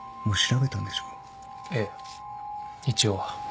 ええ一応は。